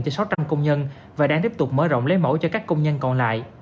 cho sáu trăm linh công nhân và đang tiếp tục mở rộng lấy mẫu cho các công nhân còn lại